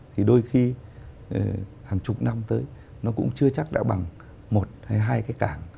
thì đôi khi hàng chục năm tới nó cũng chưa chắc đã bằng một hay hai cái cảng